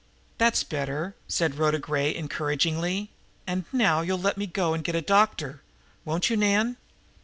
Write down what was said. "That's better," said Rhoda Gray encouragingly. "And now you'll let me go and get a doctor, won't you, Nan?"